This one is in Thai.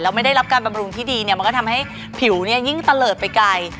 ไม่ได้รับการบำรุงที่ดีเนี่ยมันก็ทำให้ผิวเนี่ยยิ่งตะเลิศไปไกล